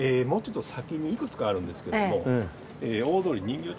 もうちょっと先にいくつかあるんですけれども。